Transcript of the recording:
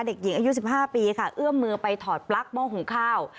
เด็กหญิงอายุ๑๕ปีค่ะเอื้อมมือไปถอดปลั๊กหม้อหุงข้าว